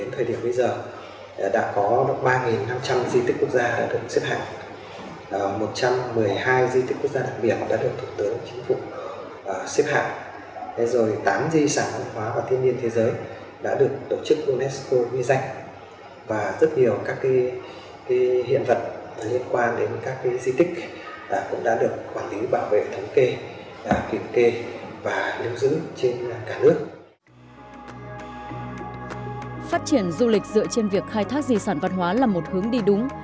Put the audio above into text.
phát triển du lịch dựa trên việc khai thác di sản văn hóa là một hướng đi đúng